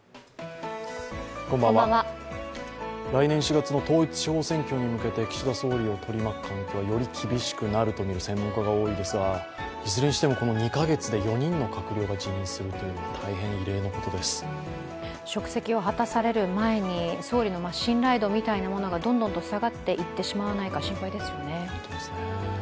来年４月の統一地方選挙に向けて岸田総理を取り巻く環境はより厳しくなるという専門家が多いですがいずれにしてもこの２か月で４人の閣僚が辞任するというのは職責を果たされる前に総理の信頼度みたいなものがどんどんと下がっていってしまわないか心配ですよね。